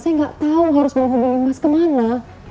saya gak tau harus bawa bawa emas kemana